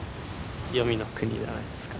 黄泉の国じゃないですか。